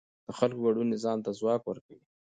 د خلکو ګډون نظام ته ځواک ورکوي